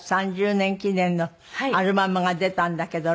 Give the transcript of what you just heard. ３０年記念のアルバムが出たんだけど。